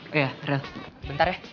oke ya ril bentar ya